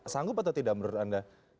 sanggup atau tidak menurut anda